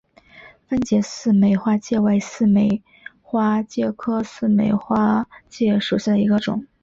分解似美花介为似美花介科似美花介属下的一个种。